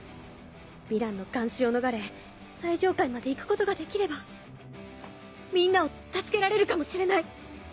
ヴィランの監視を逃れ最上階まで行くことができればみんなを助けられるかもしれない。